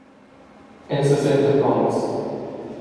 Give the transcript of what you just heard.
El sesenta promts.